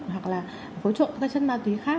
hoặc là phối trộn các chất ma túy khác